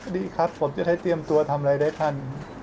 ดีครับผมจะได้เตรียมตัวทำอะไรได้ทัน